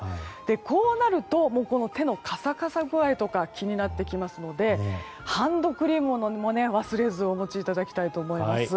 こうなるともう、手のカサカサ具合とか気になってきますのでハンドクリームも忘れずお持ちいただきたいと思います。